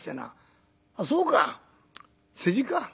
「あっそうか世辞か。